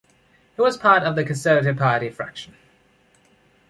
He was part of the conservative party fraction.